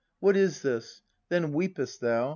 ] What is this ? Then weepest, thou.